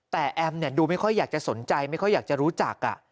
แต่แอมดูไม่ค่อยอยากจะสนใจไม่ค่อยอยากจะรู้จัก